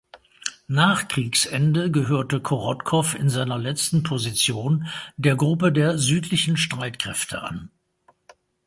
Nach Kriegsende gehörte Korotkow in seiner letzten Position der Gruppe der Südlichen Streitkräfte an.